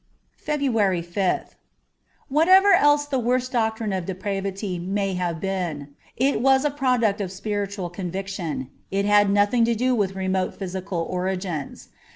'' 39 i FEBRUARY 5th WHATEVER else the worst doctrine of depravity may have been, it was a product of spiritual conviction ; it had nothing to do with remote physical origins.